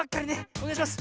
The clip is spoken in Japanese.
おねがいします。